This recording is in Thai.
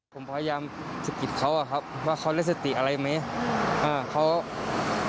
ผมพยายามสะกดเขาว่าเขาได้สติอะไรไหม